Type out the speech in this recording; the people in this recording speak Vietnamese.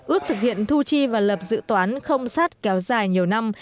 ước thực hiện thu chi và lập dự toán không sát kéo dài nhiều năm